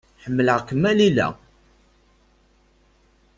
Ḥemmleɣ-kem a Lila.